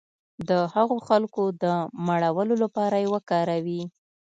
د هغو خلکو د مړولو لپاره یې وکاروي.